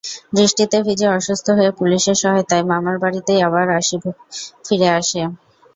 বৃষ্টিতে ভিজে অসুস্থ হয়ে পুলিশের সহায়তায় মামার বাড়িতেই আবার ফিরে আসে।